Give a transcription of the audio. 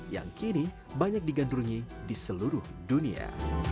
yang kini banyak digandrungi di seluruh dunia